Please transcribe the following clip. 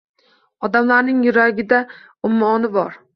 Odamlarning yuragida ummoni bor